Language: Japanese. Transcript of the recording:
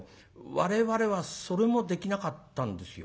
我々はそれもできなかったんですよ。